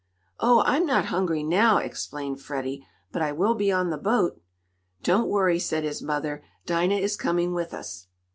"Oh, I'm not hungry now," explained Freddie, "but I will be on the boat." "Don't worry," said his mother. "Dinah is coming with us."